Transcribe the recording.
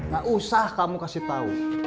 gak usah kamu kasih tahu